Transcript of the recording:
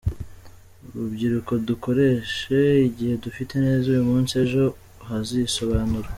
Rubyiruko dukoreshe igihe dufite neza uyu munsi, ejo hazisobanura.